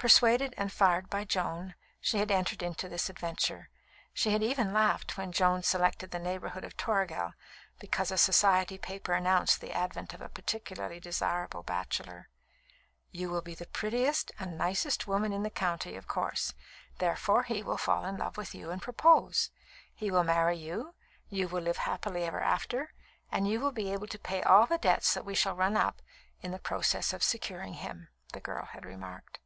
Persuaded and fired by Joan, she had entered into this adventure. She had even laughed when Joan selected the neighbourhood of Toragel because a Society paper announced the advent of a particularly desirable bachelor. "You will be the prettiest and nicest woman in the county, of course; therefore, he will fall in love with you and propose. He will marry you; you will live happy ever after; and you will be able to pay all the debts that we shall have run up in the process of securing him," the girl had remarked.